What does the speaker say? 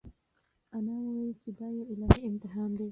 انا وویل چې دا یو الهي امتحان دی.